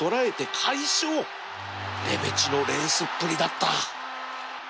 レベチのレースっぷりだった